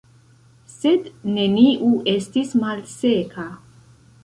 Sed neniu estis malseka.